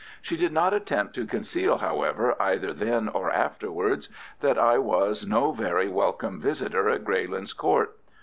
She did not attempt to conceal, however, either then or afterwards, that I was no very welcome visitor at Greylands Court.